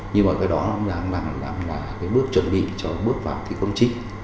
nhưng mà cái đó cũng là một bước chuẩn bị cho bước vào thi công chính